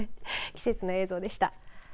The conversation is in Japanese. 季節の映像でした。